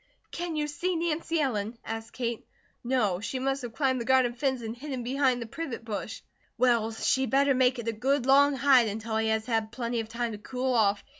"Can you see Nancy Ellen?" asked Kate. "No. She must have climbed the garden fence and hidden behind the privet bush." "Well, she better make it a good long hide, until he has had plenty of time to cool off.